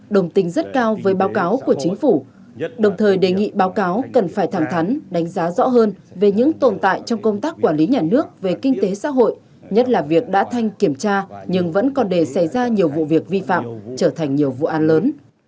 đồng tình rất cao với báo cáo của chính phủ đồng thời đề nghị báo cáo cần phải thẳng thắn đánh giá rõ hơn về những tồn tại trong công tác quản lý nhà nước về kinh tế xã hội nhất là việc đã thanh kiểm tra nhưng vẫn còn để xảy ra nhiều vụ việc vi phạm trở thành nhiều vụ án lớn